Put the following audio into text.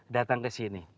datang ke sini